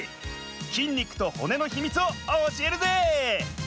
筋肉と骨のヒミツをおしえるぜ！